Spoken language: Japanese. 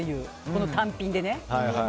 この単品でね。